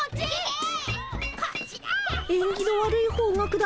えんぎの悪い方角だ。